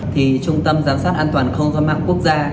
trung tâm giám sát an toàn không do mạng quốc gia